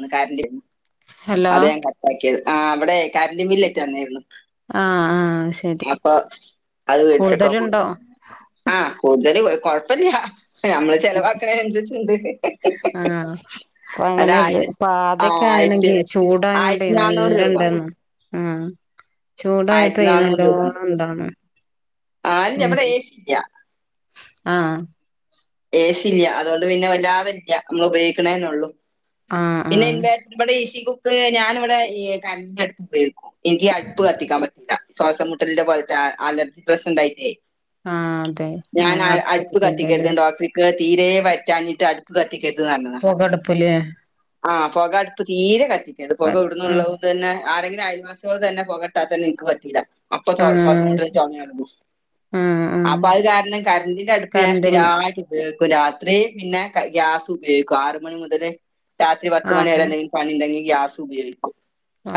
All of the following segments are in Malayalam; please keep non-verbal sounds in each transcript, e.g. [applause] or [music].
ന്ന് കരന്റ് ഹലോ അതാ ഞാൻ കട്ടാക്കിയത് ആ ഇവ്ടെ കരന്റു ബില്ലായിറ്റുവന്നായ്രുന്നു. ആഹ് ആഹ് ശരി അപ്പൊ അതുമേടിച്ചുവെക്കാൻപോയി. കൂടുതലുണ്ടോ ആ കൂടുതല് കൊഴപ്പില്ലാ ഞമ്മള് ചെലവാക്കണേന് അനുസരിച്ചൊണ്ട്. ആണ്ടോ ഇപ്പൊ അങ്ങനെല്ലേ ആയിരത്തി ആ പാതക്കെ ആയിരത്തി ആണെങ്കി ചൂടായോണ്ടേ ആയിരത്തി നാനൂറ് രൂപ നല്ലണ്ടായ്ന്ന് ആഹ് ആയിരത്തി ചൂടായപ്പേ നാനൂറ് രൂപ ഉണ്ട് നല്ലോണം ഇണ്ടാവ്ണ് ആ അല്ല ഉം ഇവിടെ എ സി ഇല്ല ആഹ് ഏ സി ഇല്ല അതുകൊണ്ട് പിന്നെ വല്ലാതെ ഇല്ല നമ്മൾ ഉപയോഗിക്ക്ണേ ഉള്ളൂ ആഹ് പിന്നെ ആഹ് ഇൻവേ ഇവിടെ ഇ സി കുക്ക് ഞാന് ഇവിടെ കരന്റിന്റെ അടുപ്പ് ഉപയോഗിക്കും എനിക്ക് അടുപ്പ് കത്തിക്കാൻ പറ്റില്ല ശ്വാസം മുട്ടലിന്റെ പോലത്തെ അലർജി പ്രശ്നംഉണ്ടായിട്ടേ ആഹ് അതെ ഞാൻ ആഹ് അടുപ്പ് അടുപ്പത്തൊക്കെല്ലേ കത്തിക്കരുത് ഡോക്ടർ ഇൻക്ക് തീരെ പറ്റാഞ്ഞിട്ട് അടു അടുപ്പ് കത്തിക്കരുത് ന്ന് പറഞ്ഞിനി പൊകടുപ്പില് ആഹ് പുക അടുപ്പ് തീരെ കത്തിക്കരുത് പുക ആഹ് ആഹ് ഇടുന്നുള്ളത് തന്നെ ആരെങ്കിലും അയൽവാസികൾ തന്നെ പൊകട്ടാത്തന്നെ എനിക്ക് പറ്റീല്ല അപ്പൊ ശ്വാസം മുട്ടൽ ചുമ ആഹ് ആഹ് അപ്പൊ അത് കാരണം കരന്റിന്റെ അടുപ്പ് ഞാൻ കറന്റ് സ്ഥിരമായിട്ട് ഉപയോഗിക്കും രാത്രി പിന്നെ ഗ്യാസ് ഉപയോഗിക്കും ആറ് മണി മുതൽ രാത്രി പത്ത് മണി വരെ ആഹ് എന്തെങ്കിലും പണി ഉണ്ടെങ്കിൽ ഗ്യാസ് ഉപയോഗിക്കും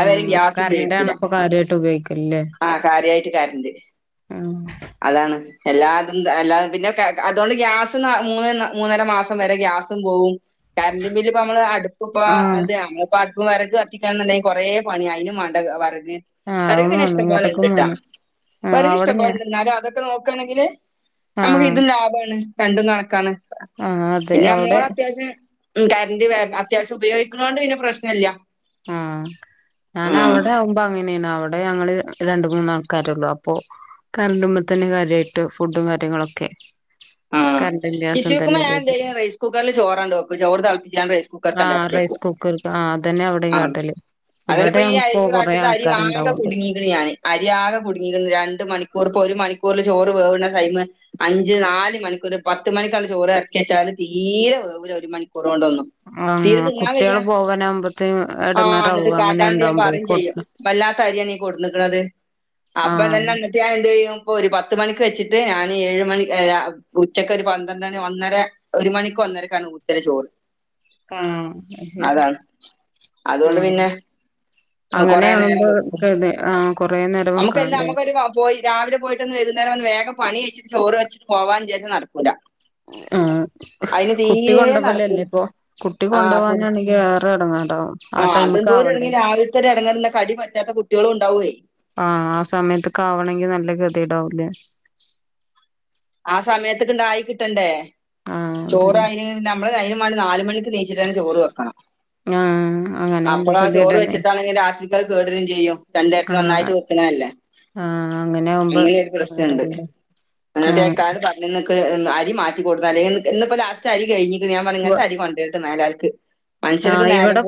അതായാല് ഗ്യാസ് കറന്റാണ് ഉപയോഗിക്കില്ല ഇപ്പൊ കാര്യമായിട്ട് ഉപയോഗിക്കലല്ലേ ആഹ് കാര്യായിട്ട് കരന്റ് ആഹ് അതാണ് എല്ലാതും പിന്നെ അതുകൊണ്ട് ഗ്യാസ് മൂന്ന് മൂന്നര മാസം വരെ ഗ്യാസും പോവും കറന്റ് ബില്ല് ഇപ്പ നമ്മള് അടുപ്പ് ഇപ്പ ആഹ് അതെ [unintelligible] വിറക് കത്തിക്കണം എന്നുണ്ടെങ്കിൽ കൊറെ പണിയാ അതിനും വേണ്ട വിറക് ആഹ് വെറക് അതും പിന്നെ വേണം ഇഷ്ടപോലെ വിറകും ഉണ്ട്ട്ടോ വേണം ആഹ് വെറക് അവിടെ ഇഷ്ടപോലെ ഞാൻ ഉണ്ട് എന്നാലും അതൊക്കെ നോക്കാണെങ്കില് നമുക്ക് ആഹ് ഇതും ലാഭമാണ് രണ്ടും കണക്കാണ് ആഹ് അതെ പിന്നെ അവിടെ നമ്മോട് അത്യാവശ്യം ഉം കരണ്ട് അത്യാവശ്യം ഉപയോഗിക്കുന്നത് കൊണ്ട് പിന്നെ പ്രശ്നം ഇല്ല ആഹ് ഞാന് അവിടെ ആവുമ്പം അങ്ങനെ അവിടെ ഞങ്ങള് രണ്ട് മൂന്ന് ആൾക്കാരൊള്ളു അപ്പൊ കറന്റുമ്മ തന്നെ കാര്യമായിട്ട് ഫുഡും കാര്യങ്ങളൊക്കെ ആഹ് കറണ്ടും ഗ്യാസും തന്നെ വിശക്കുമ്പൊ ഞാൻ എന്തെയ്യും റൈസ് കുക്കറിൽ ചോറട് വെക്കും ചോറ് തിളപ്പിച്ചാണ്ട് റൈസ് കുക്കർക്കാട് ആഹ് റൈസ് ഇറക്കിവയ്ക്കും കുക്കർ ആഹ് അതന്നെ ഇവിടേയും കാട്ടല് ഇവിടെ ഇപ്പോ കൊറേ ആൾക്കാര് ഇണ്ടാവോണ്ട് കുടുങ്ങീക്ക്ണ് ഞാൻ അരിയാകെ കുടുങ്ങിക്ക്ണ് രണ്ടു മണിക്കൂർ ഇപ്പൊ ഒരു മണിക്കൂറിൽ ചോറ് വേവുന്ന ടൈം അഞ്ച് നാല് മണിക്കൂർ പത്ത് മണിക്കണ്ട് ചോറ് ഇറക്കി വെച്ചാല് തീരെ വേവൂലാഒരു മണിക്കൂർ കൊണ്ട ഒന്നും തീരെ ആഹ് തിന്നാ വയ്യ കുട്ടികള് പോവാനാകുമ്പോത്തേന് ആഹ് എന്നിട്ട് എടങ്ങേറാവും അങ്ങനെ കാക്കാനോട് ഞാൻ ഉണ്ടാവുമ്പോ പറയും ചെയ്യും കൊട് വല്ലാത്ത അരിയാണ് കൊടുന്ന്ക്ക്ണത് അപ്പൊ ആഹ് തന്നെ ഇപ്പൊ ഞാൻ എന്ത് ചെയ്യും ഇപ്പൊ ഒരു പത്ത് മണിക്ക് വച്ചിട്ട് ഞാന് ഏഴ് മണി ഉച്ചക്ക് ഒരു പന്ത്രണ്ട് മണി ഒന്നര ഒരു മണിക്ക് ഒന്നരക്കാണ് ഊറ്റല് ചോറ് ആഹ് ശരി അതാണ് അതുകൊണ്ട് ആഹ് പിന്നെ അങ്ങനെ കൊറേ നേരം ആകുമ്പോ വെക്കും ആഹ് കൊറേ നേരം വെക്കണം നമുക്കല്ല അല്ലേ നമ്മക്കൊരു പോയി രാവിലെ പോയിട്ട് ഒന്ന് വകുന്നേരം വേഗം പണി കഴിച്ചിട്ട് ചോറ് വെച്ച് പോവാന്ന് വിചാരിച്ച നടക്കൂല ആഹ് അതിന് കുട്ടി തീരെ നടക്കൂല കൊണ്ടോവലല്ലേ ഇപ്പൊ കുട്ടി കൊണ്ട് പോവാണെങ്കിൽ അത് എടങ്ങേറാട്ടോ ആഹ് അതെന്തോര് ഇടങ്ങി രാവിലത്തെ ഒര് എടങ്ങേറ് കടി പറ്റാത്ത കുട്ടികളും ഉണ്ടാവൂല്ലേ ആഹ് ആ സമയത്തൊക്കെ അവണമെങ്കിൽ നല്ല കതിയിടാവൂലെ ആ സമയത്ത്ക്ക് ഇതായി കിട്ടണ്ടേ ആഹ് ചോറ് അതന്നെ അതിന് നമ്മള് അതിനും വേണ്ടി നാല് മണിക്ക് നീ ച്ച് ചോറ് വെക്കണം ആഹ് അങ്ങനെ ആവുമ്പോ അപ്പഴാ ആ ചോറ് ഗതികേടാണേ വെച്ചിട്ടാണെങ്കിൽ രാത്രിക്ക് അത് കേട് വരും ചെയ്യും രണ്ട് നേരത്തിന് ഒന്നായിട്ട് ആഹ് വെ നല്ലേ ആഹ് അങ്ങനെ ആവുമ്പോ അങ്ങനെയൊരു പ്രശ്നംണ്ട് എടങ്ങേറായില്ലേ ആഹ് അങ്ങനത്തെേക്കാൾ പറഞ്ഞ നിക്ക് അരി മാറ്റി കൊടുക്കു അല്ലെങ്കിൽ ഇന്ന് ഇപ്പോ ലാസ്റ്റ് അരി കഴിഞ്ഞ് ഞാൻ പറഞ്ഞ് ഇങ്ങനത്തെ അരി കൊണ്ടരേര്ത് മേലാൽക്ക് ആഹ ഇവിടെ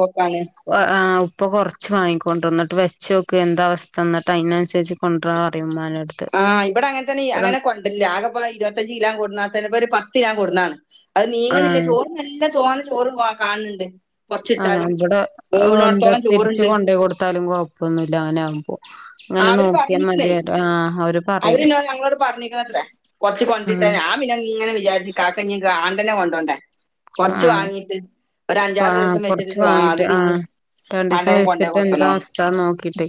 ആഹ് ഉപ്പൊ കുറച്ച് വാങ്ങിക്കൊണ്ടി ഇന്നിട്ട് വെച്ചോക്ക് എന്താ അവസ്ഥ ഇന്നിട്ട് അയിനനുസരിച്ച് കൊണ്ടരാറിയും ആഹ ഇവിടെ അങ്ങനെ തന്നെ അങ്ങനെ കൊ ആകപ്പ ഇരുപത്തഞ്ച് കിലാം കൊടുന്നാതന്നെ ഇപ്പൊ ഒരു പത്ത് കിലാം കൊടന്നതാണ് അത് നീങ്ങില്ല ആഹ് ചോറ് നല്ല തോനെ ചോറ് കാണ്ന്ന്ണ്ട് ആഹ് ഇവിടെ എന്താ തിരിച്ച് ചോറുണ്ട് കൊണ്ടു പോയി കൊടുത്താലും കൊഴപ്പൊന്നുമല്ല അങ്ങനെ ആവ്മ്പോ അവര് പറഞ്ഞിക്ക്ണേ പറയും അവര് ഞങ്ങളോട് പറഞ്ഞിക്കണത്രേ കൊറച്ച് കൊണ്ടരിട്ടാ ഞാൻ പിന്നെ ഇങ്ങനെ വിചാരിച്ച് കാക്ക ഞീ ആണ്ടന്നെ കൊണ്ടോണ്ടേ കൊറച്ച് ആഹ് വാങ്ങീട്ട് ഒര് അഞ്ചാറ് ആഹ് ദിവസം കൊറച്ച് വെച്ചിട്ട് അത് വാങ്ങിട്ട് ആഹ് പിന്നിം രണ്ടീസം വച്ചിട്ട് എന്താ അവസ്ഥന്ന് നോക്കിട്ട്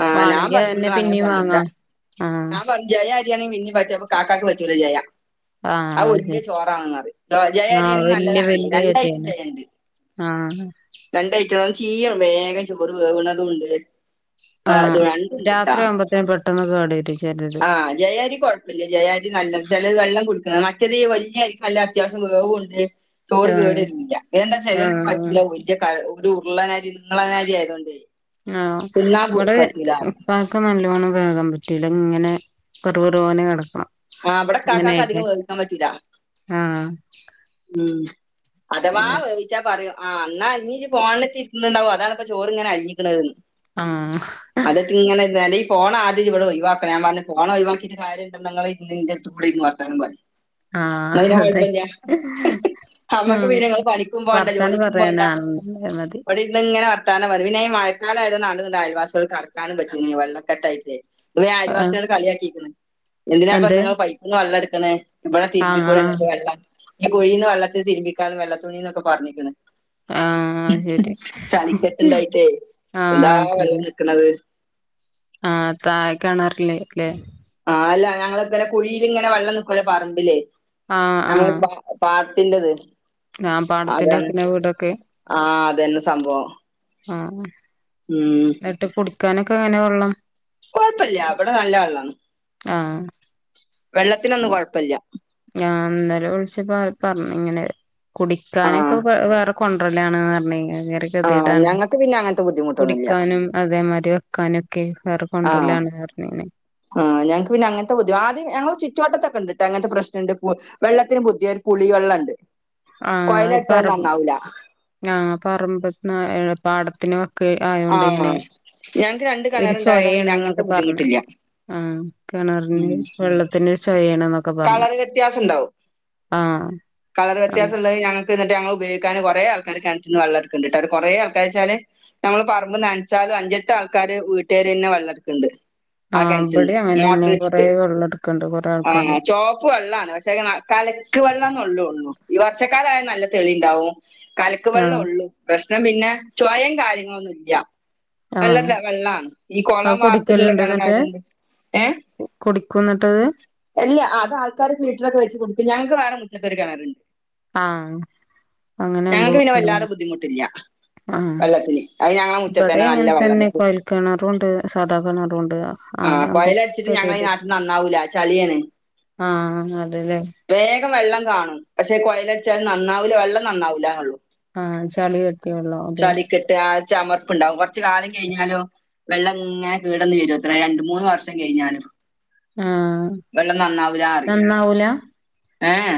ആ ഞാൻ വാണങ്കി പറഞ്ഞു അതെന്നെ നിങ്ങൾ അങ്ങനെ പിന്നിം കൊണ്ടരണ്ട വാങ്ങാം ആഹ ഞാൻ പറഞ്ഞു ജയ അരിയാണങ്കിൽ പിന്നിം പറ്റും അപ്പൊ കാക്കക്ക് പറ്റൂല ജയ ആഹ് അത്‌ അത് വല്യ ശരി ചോറാണ്ന്നറിയും ജയ ആഹ് അരിയയാണെങ്കി വല്യ നല്ലതാണ്ടി വല്യ രണ്ടയിറ്റം അരിയാണ് ജയണ്ട് ആഹ് രണ്ടയിറ്റം അത്‌ ചീയും വേഗം ചോറ് വേവ്ണതുംണ്ട് ആഹ് രാത്രി ആമ്പത്തിനും പെട്ടെന്ന് കേടറും ചെ ആഹ് ജയ അരി കുഴപ്പ ഇല്ല്യ ജയ അരി നല്ലത് ചിലത് വെള്ളം കുടുക്കുന്നത് മറ്റത് വലിയ അരിക്കല്ല അത്യാവശ്യം വേവുണ്ട് ചോറ് ആഹ് കേടെരൂല പിന്നെന്താ ചെലോർക്ക് ആഹ് പറ്റൂല വല്യ ഒരു ഉരുള്ളനരിം അരി ആയതോണ്ടെ തിന്നാൻ പറ്റൂലാ ഒക്കെ നല്ലോണം വേകാൻ പറ്റ്ല ഇങ്ങനെ വെറുവറു പോനെ കിടക്കണം ആഹ് ഇവിടെ ഇക്കാക്ക് അധികം വേവിക്കാൻ പറ്റൂല ആഹ് ഉം അതവാ ച്ചാ പറയും ആഹ് ഇന്നാ ഇഞ്ഞ് ഇജി ഫോണിലേറ്റ ഇര്ന്ന്ണ്ടാവും അതാണ് ഇപ്പൊ ചോറ് ഇങ്ങനെ അലിഞ്ഞിക്കണത് ന്ന് ആഹ അതേറ്റ് ഇങ്ങനെ ഇരുന്നാല് ഈ ഫോൺ ആദ്യം ഇജി ഇവിടെ ഒഴിവാക്കണം ഞാൻ പറഞ്ഞ് ഫോൺ ഒഴിവാക്കിട്ട് കാര്യണ്ട് ന്നാ ഇങ്ങള് ഇന്റെ കൂടെന്ന് പറ പറയി ആഹ അതെ നമുക്ക് ഉം പിന്നെ നിങ്ങൾ പണിക്കും പോകണ്ട വർത്തനം ജോലിക്കും പറയാന് പോകണ്ട ആള്ണ്ടായാ മതി ഇവിടെ ഇരുന്ന് ഇങ്ങനെ വർത്താനം പറയും പിന്നെ ഈ മഴക്കാലായത് കൊണ്ട് ആണ്ടും ഇങ്ങട്ടും അയൽവാസികൾക്ക് കടക്കാനും പറ്റ്ണില്ല വെള്ളക്കെട്ടായിട്ട് ആഹ് അയിവാസികൾ കളിയാക്കിക്ക്ണ് എന്തിനാപ്പ എന്ത് നിങ്ങള് പൈപ്പ്ന്ന് വെള്ളം ഇടുക്കണ് ഇവിടെെ ആഹ് തിരുമ്പിക്കൂടെ ആഹ് വെള്ളം ഈ കുഴീന്ന് വെള്ളത്തിൽ തിരുമ്പിക്കാള് വെള്ള തുണിന്നൊക്കെ പറഞ്ഞിക്ക്ണ് ആഹ് ശരി ചളിക്കെട്ടുണ്ടായിട്ടേ എന്താ ആഹ് വെള്ളം നിക്ക്ണത് ആഹ താഴെ കെണർല് ലേ ആഹ് അല്ല ഞങ്ങൾ ഇങ്ങനെ കുഴിയില് ഇങ്ങനെ വെള്ളം നിക്കുല്ലോ പറമ്പില് ആഹ് ഞങ്ങൾ ആഹ് പാട്ത്തിന്റത് ഞാൻ പാടത്തിന്റെ വക്കിന്റെ വീടൊക്കെ ആഹ അതന്നെ സംഭവം ആഹ ഉം എന്നിട്ട് കുടിക്കാനൊക്കെ എങ്ങനെ വെള്ളം കൊഴപ്പല്യ ഇവിടെ നല്ല വെള്ളാണ് ആഹ് വെള്ളത്തിനൊന്നും കെഴപ്പല്യാ ഞാൻ ഇന്നലെ വിളിച്ച് പറഞ്ഞ് ഇങ്ങനെ കുടിക്കാനൊക്കെ ആഹ് വേറെ കൊണ്ടരലാണ്ന്ന് പറഞ്ഞ ഭയങ്കര ആഹ് ഗതികേടാണ് ഞങ്ങക്ക് പിന്നെ അങ്ങനത്തെ ബുദ്ധിമുട്ടൊന്നുല്ല കുടിക്കാനും അതേമാതിരി വെക്കാനൊക്കെ വേറെ ആഹ് കൊണ്ടുവരലാണ് ആഹ് ഞൾക്ക് പിന്നെങ്ങനത്തെ ബുദ്ധിമു ആദ്യം ഞങ്ങൾ ചുറ്റുവട്ടത്തൊക്കെ ഉണ്ട്ട്ട് അങ്ങനത്തെ പ്രശ്നണ്ട് വെള്ളത്തിന് പുദ്ധയ ഒരു പുളി വെള്ളണ്ട് ആഹ് കൊയല അടിച്ചാലും പറമ്പ് നന്നാവുല ആഹ് പറമ്പ പോ പാടത്തിന് ആയോണ്ട് ഇങ്ങനെ ആഹ് ഞങ്ങക്ക് രണ്ട് ഒരു കിണറുണ്ടായതോണ്ട് ചൊയയണ് പിന്നെ അങ്ങനത്തെ എന്നൊക്കെ പറഞ് ബുദ്ധിമുട്ടില്ല ആഹ് കിണറിന് വെള്ളത്തിന് ഒരു ചാെയയാണ്നൊ കളർ വ്യത്യാസം ഉണ്ടാവും ആഹ് കളർ വ്യത്യാസം അങ്ങനെ ഉള്ള ഞങ്ങ എന്നിട്ട ഞങ്ങെള് ഉപയോഗിക്കൻ കുറെ ആൾക്കാര് കണറ്റ് ന്ന് വെള്ളം ഇട്ക്ക്ണ്ട് കുറെ ആൾക്കാര് വച്ചാല് നമ്മള് പറമ്പ് നനച്ചാലും അഞ്ചെട്ട് ആൾക്കാര് വീട്ടുകാര് തന്നെ വെള്ളം എടുക്ക്ണ്ട് ആ ആഹ് കെൻറ്റിന്ന് ഇബടിം മോട്ടർ അങ്ങനെന്നെ കൊറേ വെച്ചിട്ട് വെള്ളം എടുക്ക്ണ്ട് കൊറേ ആഹ് ആൾക്കാര് ചുവപ്പ് വെള്ളമാണ് പക്ഷേ കലക്ക് വെള്ളംന്ന ഉള്ളൂ ഈ വർഷക്കാലായൽ നല്ല തെളി ഇണ്ടാവും കലക്ക് വെള്ളം ആഹ് ഉള്ളൂ പ്രശ്നം പിന്നെ ചോയയും കാര്യങ്ങളൊന്നു ഇല്ല ആഹ് നല്ല വെള്ളമാണ് ഈ അത് കൊളം വാർത്തിട്ടുള്ള കിണറായതു കൊണ്ട് കുടിക്കുംന്നിട്ടത് അല്ല അത് ആൾക്കാര് ഫിൽറ്ററോഒക്കെ വെച്ച് കുടിക്കും ഞങ്ങൾക്ക് വേറെ മുറ്റത്തൊരു കിണറുണ്ട് ആഹ് അങ്ങനെവുമ്പോ ഞങ്ങക്ക് പിന്നെ വല്ലാതെ ഇടങ്ങേറാണ് ബുദ്ധിമുട്ടില്ല ആഹ് വെള്ളത്തിന് അത് ഞങ്ങളെ മുറ്റത്ത് ഇവിടെ തന്നെ നല്ല അങ്ങനെ തന്നെ വെള്ളണ്ട് കോൽ കിണറുണ്ട് സാധാ കിണറുംണ്ട് ആഹ് കൊയലടിച്ചിട്ട് ഞങ്ങളി ഈ നാട്ടിന്ന് നന്നാവൂല ചളിയണ് ആഹ് അതെല്ലേ വേഗം വെള്ളം കാണും പക്ഷേ കൊയലടിച്ചാല് നന്നാവൂല വെള്ളം നന്നാവുലന്നൊള്ളൂ ആഹ് ചളി കെട്ടിയ വെള്ളം അതെ ചളിക്കെട്ട് ആ ചമർപ്പുണ്ടാവും കൊറച്ചു കാലം കഴിഞ്ഞാലോ വെള്ളം എങ്ങനെ കെടന്നു വരും അത്ര രണ്ട് മൂന്ന് വർഷം കഴിഞ്ഞാലും ആഹ് വെള്ളം നന്നാവുല്ല പറിയും നന്നാവൂല ഏഹ്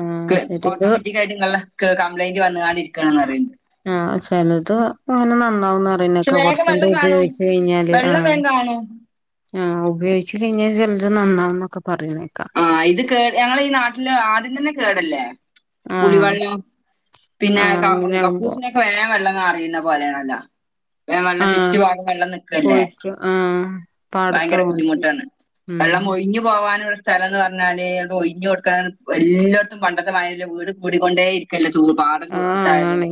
ആഹ് ശരി ഇത് ഓട്ടോമാറ്റിക് ആയിട്ടും ഇണ്ടല്ല കംപ്ലയിന്റ് വന്നുക്കാണ്ട് ഇരിക്കണ്ന്ന് പറയണ്ട് ആഹ് ചെലത് അങ്ങനെ നന്നാവുന്ന് പറയും പക്ഷെ ന്നെക്ക വേഗം കുറച്ചാണ്ട് വെള്ളം കാണും ചോദിച്ച കഴിഞ്ഞാല് വെള്ളം ആഹ് വേഗം കാണും ആഹ് ഉപയോഗിച്ചച്ച് കഴിഞ്ഞാൽ ചിലത് നന്നാവന്നൊക്കെ പറയിണത് കേൾക്കാം ആഹ് ഇത് കേട് ഞങ്ങള ഈ നാട്ടില് ആദ്യം തന്നെ കേടല്ലേ ആഹ് പുളിവെള്ളം പിന്നെ ആഹ് അങ്ങനെ ആവുമ്പോ കക്കൂസിന ക്കെ വേം വെള്ളം എ നറിയുന്ന പോലാണല്ലോ വേം വെള്ളം ആഹ് ചുറ്റു ഭാഗും വെള്ളം നിക്കല്ലേ കുഴിക്ക് ആഹ് ഭയങ്കര പാടത്താവുമ്പഴേ ബുദ്ധിമുട്ടാണ് ഉം വെള്ളം ഒഴിഞ്ഞു പോകാനുള്ള സ്ഥല സ്ഥലം എന്ന് പറഞ്ഞാല് ന ഒഴഞ്ഞഞ് കൊടുക്കാൻ എല്ലോട്ത്തും പണ്ടത്തെമാതിരി അല്ല വീട് കൂടിക്കൊണ്ടേ ഇരിക്കല്ലേ പാടത്തും പാടം ആഹ് തുർത്തിട്ടാണെകിലും ആണേ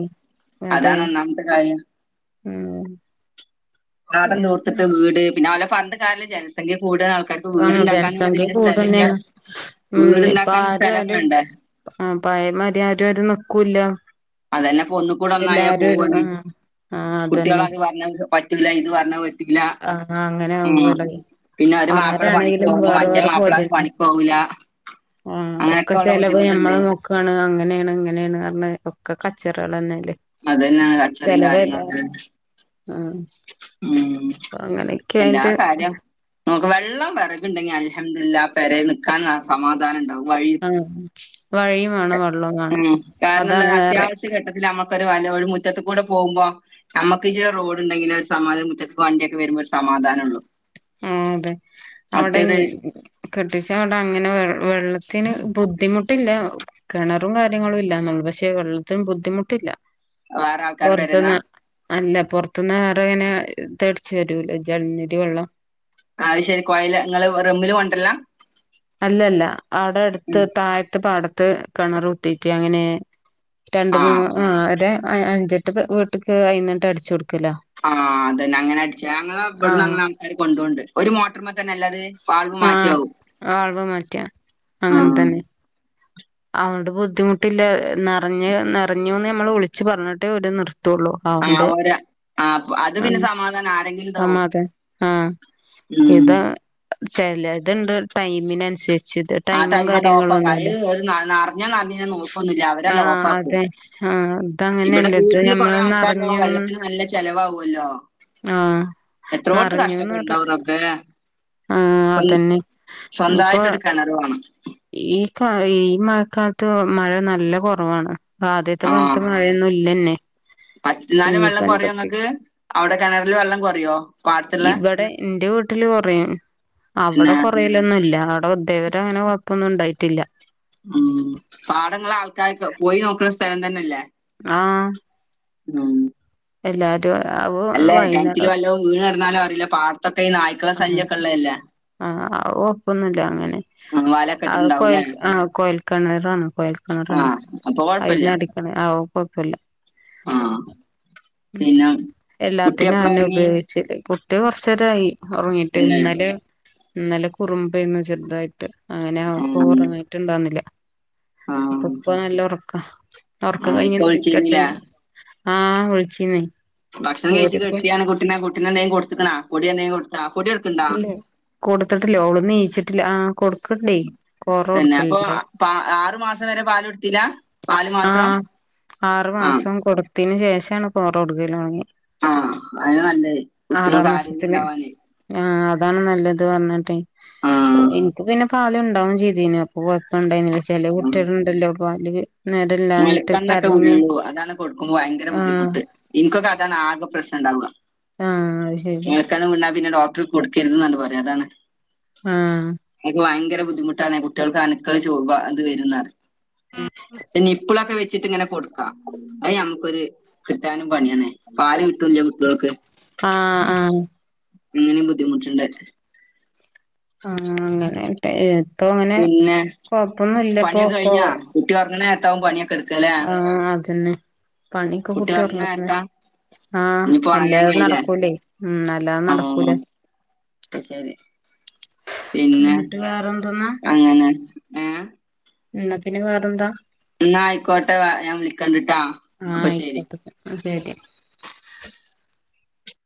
അതെ അതാണ് ഒന്നാമത്തെ കാര്യം ഉം പാടം എന്ത് തൂർത്തിട്ട് വീട് പിന്നെ ഓലെ പറഞ്ഞിട്ട് കാര്യം ഇല്ലാലോ ജനസംഖ്യ കൂടുതൽ ആണ് ആഹ് വീട്ണ്ടാക്കൻ ജനസംഖ്യ ഇതില്ല സ്ഥലല്ല കൂടുതന്നെയാണ് ഉം ഇപ്പൊ വീട്ണ്ടാക്കൻ ആരും സ്ഥലം ആരും വേണ്ടേ ആ പഴയ മരി ആരും നിക്കും ല്ല്യ അതന്നെ ഒന്ന് കൂടെ ഒന്നായ ആ പോവണ് ആ കുട്ടികള് അതന്നെ അത് പറഞ്ഞ പറ്റൂല ഇത് പറഞ്ഞ പറ്റുല ആ അങ്ങനെ ഉം ആകുവല്ലേ പിന്നെ ഒരു മാപ്പിള പണിക് ആരാണെങ്കിലും പോകുമ്പോ വേറെ മറ്റേ മാപ്പിള പണിക്ക് പോകൂല്ല ആഹ് ഒക്കെ ചെലവ് നമ്മള് നോ ക്കാണ് അങ്ങനെയാണ് ഇങ്ങനെയാണ് പറഞ്ഞ് ഒക്കെ കച്ചറകൾ തന്നെയല്ലേ അതന്നെയാ കച്ചറയും കാര്യങ്ങളൊക്കെ ആഹ് ഉം എല്ലാ ആയിട്ട് കാര്യം നമുക്ക് വെള്ളം വിറകുണ്ടെങ്കി അൽഹംദുലില്ലാഹ് പെരേ നിൽക്കാൻ സമാധാനം ഇണ്ടാവും വഴിയും ആ വഴിയും വേണം വെള്ളവും ഉം വേണം കാരണം എന്താ അതാണ് വേറെ അത്യാവശ്യഘട്ട ത്തില് നമക്കൊരു വല്ല മുറ്റത്ത് കൂടെ പോകുമ്പോ നമുക്ക് ചില റോഡ് ഉണ്ടെങ്കിൽ സമാധനം മുറ്റത്ത്‌ക്ക്‌ വണ്ടിയൊക്കെ വരുമ്പം ഒരു സമാധാനം ഉള്ളൂ ആഹ് അതെ അവിടെ ഇങ്ങ കെട്ടിച്ച അവിടെ അങ്ങനെ വെ വെള്ളത്തിന് ബുദ്ധിമുട്ടില്ല കിണറും കാര്യങ്ങളും ഇല്ല എന്നുള്ളൂ പക്ഷേ വെള്ളത്തിന് ബുദ്ധിമുട്ടില്ല വേറെ ആൾക്കാർ വരുന്ന പുറത്തിന്ന് അല്ല പുറത്തുനിന്ന് വേറെങ്ങനെ ഇതടിച്ചു വരൂല ജലനിധി വെള്ളം ആഹ് ശരി കൊയലാ ഇങ്ങള് റമ്മില് കൊണ്ടരലാ അല്ലല്ലാ അവിടെ അടുത്ത് താഴത്ത് പാടത്ത് കിണർ കുത്തിക്കേ അങ്ങനെ രണ്ട് മൂന്ന് ആ അതെ അഞ്ചട്ട് വീട്ടിക്ക് അയിന്നെട്ട് അടിച്ചു കൊടുക്കലാ ആഹ് അതന്നെ അങ്ങനെ അടിച്ച് ഞങ്ങള്ടെ ഇവിടുന്ന് ആഹ് അങ്ങനെ ആൾക്കാര് കൊണ്ടൊവണ്ട് ഒരു മോട്ടർമ തന്നെ അല്ലത് വാൾവ് ആഹ് മാറ്റാവും വാൾവ് മാറ്റാ അങ്ങനെ തന്നെ അവോണ്ട് ബുദ്ധിമുട്ടില്ല നിറഞ് നെറഞ്ഞുന്ന് നമ്മള് വിളിച്ച് പറഞ്ഞിട്ടേ ഓര് നിർത്തൊള്ളൂ. ആഹ് ഓരാ ആഹ് അത് പിന്നെ സമാധാനം ആരെങ്കിലുണ്ടാവും. സമാധാനം ഉം ചെലേത്ണ്ട് ടൈമിനനുസരിച്ചിട്ട് ആഹ് ടൈമങ്ങട്ട് ഓഫാക്കും അഹ് അത് നറഞ്ഞോ നറഞ്ഞില്ലേ ഇങ്ങനെ നോക്കൊന്നുല്ല അവരങ്ങട്ട് ആഹ് ഓഫാക്കും അതെ ആഹ് ഇവടെ ഇതങ്ങനെയല്ല ഇത് വീട്ടിൽ കൊറേ ഞമ്മള് ആൾക്കാരുണ്ടാകുമ്പോ നറഞ്ഞൂന്ന് വെള്ളത്തിന് നല്ല ചെലവാവോല്ലോ ആഹ് എത്രോടത്ത് നറഞ്ഞൂന്ന് പറ കഷ്ടപ്പെടുണ്ടാവും റബ്ബേ ആഹ് സ്വ അതന്നെ സ്വന്തായിട്ടൊരു കെണർ [unintelligible] ഈഹ് കാ ഈഹ് മഴക്കാലത്ത് മഴ നല്ല കൊറവാണ്. ആദ്യത്തെ പോലത്തെ മഴയൊന്നും ഇല്ലെന്നെ ഫസ്റ്റിലാനും വെള്ളം കൊറയോ ങ്ങക്ക് അവിടെ കെണറില് വെള്ളം കൊറയോ പാടത്തുള്ളെ ടെ ഇന്റെ വീ ട്ടില് കൊറയും അവിടെ പിന്നെ കൊറയലൊന്നുല്ല അവിടെ ഇതേവരെ അങ്ങനെ കൊഴപ്പൊന്നുണ്ടായിട്ടില്ല. ഉം പാടങ്ങളെ ആൾക്കാർക്ക് പോയി നോക്ക്ണ സ്ഥലം തന്നെല്ലേ ആഹ് ഊം എല്ലാരും ഓഹ് കിണറ്റില് വൈന്നടം വല്ലവും വീണ് കെടന്നാലും അറിയില്ല പാടത്തൊക്കെ ഈ നായി ആഹ് ആഹ് അത് കൊഴൊപ്പൊന്നുല്ല അങ്ങനെ ആ വലൊക്കെ ആഹ് കൊയൽ ഇട്ടുണ്ടാവൂലേ ആഹ് കൊയൽക്കെണറാണ് കൊയൽക്കെണറാണ് ആഹ് അപ്പൊ കൊഴപ്പില്ല അയിന്നടിക്കണ് ആഹ് ഓഹ് കൊഴപ്പല്ല ആഹ് ഉം പിന്നെ കുട്ടി എല്ലാത്തിനും എപ്പളാ അയെന്നെ ഉറങ്ങി ഉപയോഗിച്ചല് പൊ ട്ട് കൊറച്ചേരായി ഒറങ്ങിട്ട് തന്നെ ഇന്നലെ ഇന്നലെ കുറുമ്പേന്ന് ചെറുതായിട്ട് അങ്ങനെ അവക്ക് ആഹ് ഉറങ്ങിട്ടുണ്ടാന്നില്ല ആഹ് അപ്പൊ ഇപ്പ നല്ല ഉറക്കാ ഉറക്കം ആഹ് കഴിഞ്ഞ് ഇക്ക നീക്കെട്ടെ വിളിച്ചിരുന്നില്ലേ ഇഞ്ഞി ആഹ് വിളിച്ചീന്ന് ഭക്ഷണം കഴിച്ച് ഓര്ക്ക് കെട്ത്തിയാണ് കുട്ടിനെ കുട്ടീനെ എന്തങ്കും കൊടുത്ത്ക്ക്ണ പൊടി എന്തേം കൊടുത്ത പൊടി കൊടു ഇല്ലേ കൊടുത്തിട്ടില്ലേ ഓള് നീച്ചിട്ടില്ല ആഹ് കൊ തന്നെ അപ്പൊ ആറു മാസം വരെ പാലൊടുത്തില്ല പാല് മാത്രം ആഹ് ആറു ആഹ് മാസം കൊടുത്തിന് ശേഷാണ് കോറോടുക്കലൊടങ്ങിയെ ആഹ് അതന്നെ നല്ലത് കുട്ട്യോൾക്ക് മാസത്തില് ആരോഗ്യണ്ടാവാന് ആഹ് അതാണ് നല്ലത് പറഞ്ഞിട്ടെ ആഹ് ഇനിക്ക് പിന്നെ പാലുണ്ടാവും ചെയ്തേന് ഇപ്പോ കൊയപ്പണ്ടേന്നില്ല ചെല കുട്ട്യേൾണ്ടല്ലോ പാല് നേരല്ലാഞ്ഞിട്ട് മൊലക്കണ്ണൊക്കെ കരഞ്ഞ് ഉള്ളൂ അതാണ് കൊടുക്കുമ്പോ ഭയങ്കര ആഹ് ബുദ്ധിമുട്ട് ഇൻക്കൊക്കെ അതാണ് ആകെ പ്രശ്നണ്ടാവ ആഹ് അത് ശരി ക്കണ് മുണ്ടാ പിന്നെ ഡോക്ടർ കൊടുക്കരുതെന്നണ്ട് പറയും അതാണ് ആഹ് അതൊക്കെ ഭയങ്കര ബുദ്ധിമുട്ടാണ് കുട്ടികൾക്ക് അണുക്കൾ ചോ ഇത് വരുന്നറിയും ഉം പക്ഷേ നിപ്പിളൊക്കെ വെച്ചിട്ടിങ്ങനെ കൊടു ക്കാം അത് ഞമ്മക്കൊരു കിട്ടാനും പണിയാണ് പാല് കിട്ടൂല്ല്യ കുട്ടികൾക്ക് ആഹ് ആഹ് അങ്ങനിം ബുദ്ധിമുട്ടുണ്ട് ആഹ് അങ്ങനെ ഇപ്പ അങ്ങനെ പിന്നെ കൊഴപ്പൊന്നുല്ലപ്പോ പണിയൊക്കെ കൊ കഴിഞ്ഞാ കുട്ടി ഒറങ്ങ്ണേരത്താവും പണിയൊക്കെടു ആഹ് അതന്നെ പണിയൊക്കെ കുട്ടി ഉറങ്ങണ ഉറങ്ങിന്നെ നേരത്താ ആഹ് ഇനിയിപ്പോ അല്ലാതെ ഉറങ്ങാനായില്ലേ നടക്കൂലേ ഉം അല്ലാതെ നടക്കൂല ആഹ് അത് ശരി പിന്നെ എന്നിട്ട് വേറെന്തെന്നാ അങ്ങനെ ഏഹ് ഇന്നാ പിന്നെ വേറെന്താ ഇന്നാ ആയിക്കോട്ടെ ഞാൻ വിളിക്കണ്ടിട്ടാ അപ്പൊ ശരി ആയിക്കോട്ടെ ആഹ് ശരി